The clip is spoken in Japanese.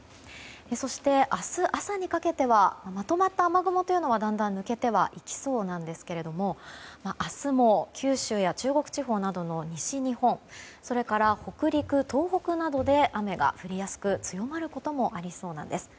そして明日朝にかけてはまとまった雨雲はだんだん抜けていきそうなんですけれども明日も九州や中国地方などの西日本それから北陸、東北などで雨が降りやすく強まることもありそうです。